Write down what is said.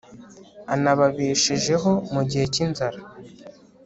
anababesheho mu gihe cy'inzara